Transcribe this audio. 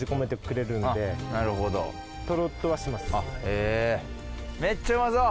へぇめっちゃうまそう。